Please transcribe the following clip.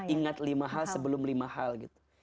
ingat lima hal sebelum lima hal gitu